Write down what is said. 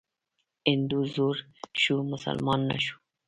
هندو زوړ شو، مسلمان نه شو.